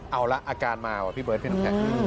เอาละอาการเมาอ่ะพี่เบิร์ดพี่น้ำแข็ง